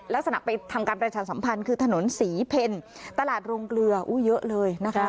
และสนับไปทำการประชาสัมพันธ์คือถนนสีเพลตลาดรงเกลือเยอะเลยนะคะ